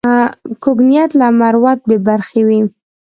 کوږ نیت له مروت بې برخې وي